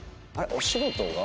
お仕事が？